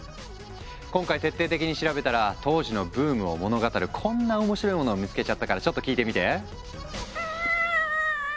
今回徹底的に調べたら当時のブームを物語るこんな面白いモノを見つけちゃったからちょっと聞いてみて！